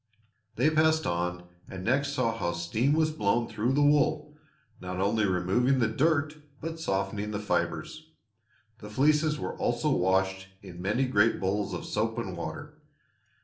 They passed on and next saw how steam was blown through the wool, not only removing the dirt but softening the fibers. The fleeces were also washed in many great bowls of soap and water.